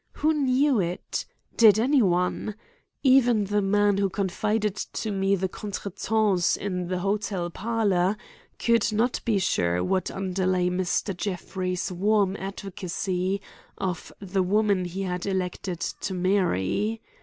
Who knew it? Did any one? Even the man who confided to me the contretemps in the hotel parlor could not be sure what underlay Mr. Jeffrey's warm advocacy of the woman he had elected to marry.